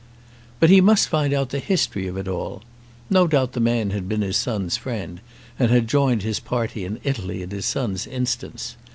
But he must find out the history of it all. No doubt the man had been his son's friend, and had joined his party in Italy at his son's instance.